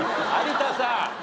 有田さん。